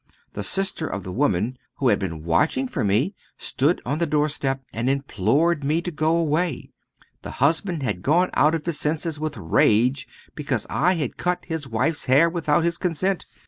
The sister of the woman, who had been watching for me, stood on the doorstep, and implored me to go away. The husband had gone out of his senses with rage because I had cut his wife's hair without his consent.